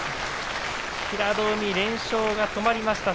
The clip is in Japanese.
平戸海は連勝が止まりました。